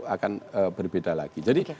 akan berbeda lagi jadi